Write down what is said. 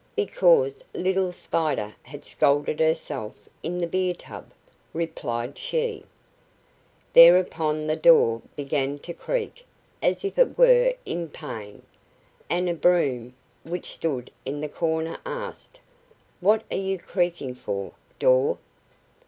"Because little Spider has scalded herself in the beer tub," replied she. Thereupon the door began to creak as if it were in pain; and a broom, which stood in the corner, asked, "What are you creaking for, door?"